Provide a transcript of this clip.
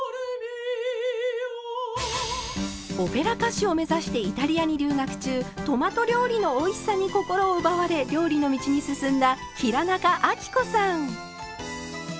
オペラ歌手を目指してイタリアに留学中トマト料理のおいしさに心を奪われ料理の道に進んだ平仲亜貴子さん。